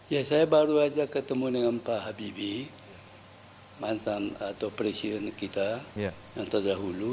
ya saya baru saja ketemu dengan pak habibie mantan atau presiden kita yang terdahulu